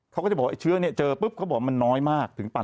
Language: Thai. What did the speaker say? เขาก็จะบอกเชื้อเจอปุ๊บเขาบอกมันน้อยมาก